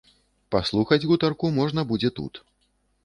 Паслухаць гутарку можна будзе тут.